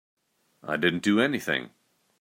I didn't do anything.